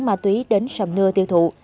vận chuyển ma túy đến sầm nưa tiêu thụ